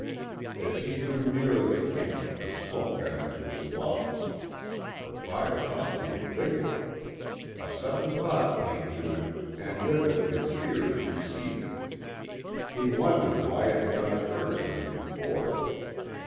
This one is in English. As he drew nearer the camp the smoke got into his lungs. The fire must be a big one. A sudden thought came to him, and with it his fears receded. He wondered why it had not occurred to him before.